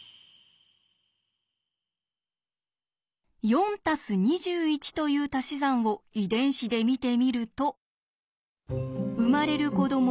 ４＋２１というたし算を遺伝子で見てみると生まれる子ども